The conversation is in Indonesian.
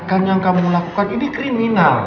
tindakan yang kamu lakukan ini kriminal